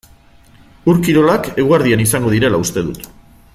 Ur-kirolak eguerdian izango direla uste dut.